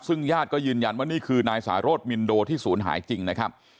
ซึ่งญาติก็ยืนยันว่านี่คือนายสารสมินโดที่ศูนย์หายจริงนะครับ